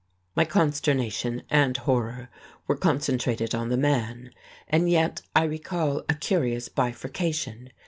My consternation and horror were concentrated on the man, and yet I recall a curious bifurcation.